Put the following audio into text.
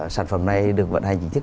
sản phẩm này được vận hành chính thức